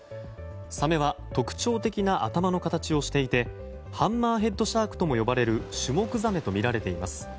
サメは特徴的な頭の形をしていてハンマーヘッドシャークとも呼ばれるシュモクザメとみられています。